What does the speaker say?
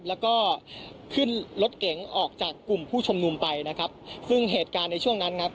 แล้วก็ขึ้นรถเก๋งออกจากกลุ่มผู้ชมนุมไปนะครับซึ่งเหตุการณ์ในช่วงนั้นครับ